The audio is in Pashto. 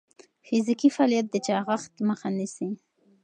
فزیکي فعالیت د چاغښت مخه نیسي.